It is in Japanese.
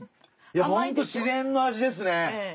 ホント自然の味ですね。